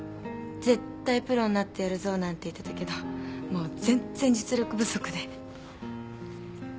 絶対プロになってやるぞなんて言ってたけどもう全然実力不足で。